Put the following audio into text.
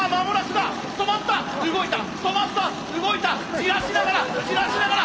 じらしながらじらしながら。